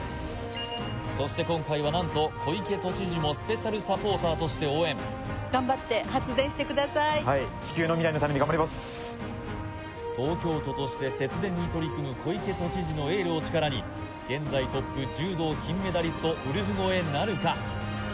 そして今回は何と小池都知事もスペシャルサポーターとして応援東京都として節電に取り組む小池都知事のエールを力に現在トップ柔道金メダリストウルフ超えなるか？